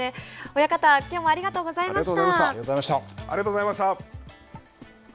親方、きょうもありがとうございました。